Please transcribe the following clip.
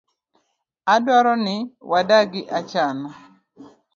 Adwaro ni wadagi achana.